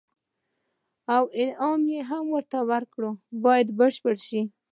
او انعام یې ورته ورکړ باید بشپړ شي.